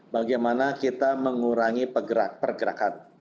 bagaimana kita mengurangi pergerakan